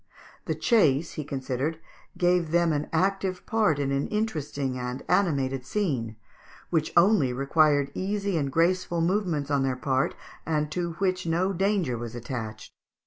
The chase, he considered, gave them an active part in an interesting and animated scene, which only required easy and graceful movements on their part, and to which no danger was attached.